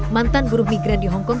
mantan buruh migran di hongkong